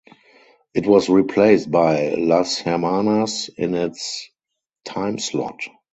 It was replaced by "Las Hermanas" in its timeslot.